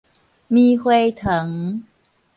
棉花糖